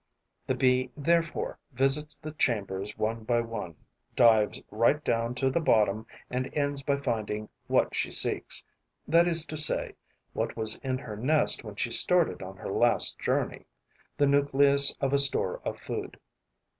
The Bee therefore visits the chambers one by one, dives right down to the bottom and ends by finding what she seeks, that is to say, what was in her nest when she started on her last journey, the nucleus of a store of food.